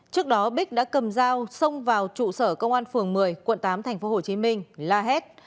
trước đó bích đã cầm dao xông vào trụ sở công an phường một mươi quận tám tp hcm la hét